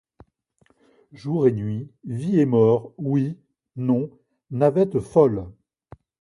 Jour et nuit, vie et mort, oui, non ; navette folle